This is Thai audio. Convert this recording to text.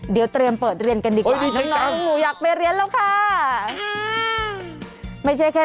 เดี๋ยวเตรียมเปิดเรียนกันดีกว่าน้องหนูอยากไปเรียนแล้วค่ะน้องหนูอยากไปเรียนกันดีกว่าน้องหนูอยากไปเรียนแล้วค่ะ